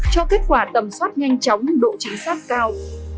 cho kết quả tầm soát nhanh chóng độ chính xác cao